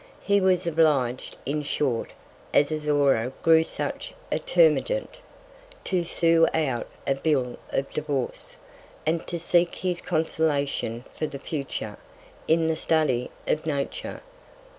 He was oblig'd, in short, as Azora grew such a Termagant, to sue out a Bill of Divorce, and to seek his Consolation for the future, in the Study of Nature.